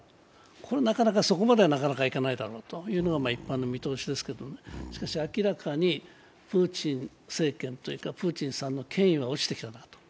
これ、なかなかそこまではいかないだろうというのが一般の見通しですけどしかし、明らかにプーチン政権というかプーチンさんの権威は落ちてきたなと。